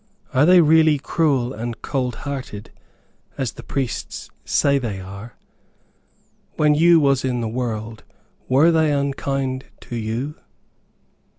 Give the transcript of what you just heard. Are they really cruel and cold hearted, as the priests say they are? When you was in the world were they unkind to you?"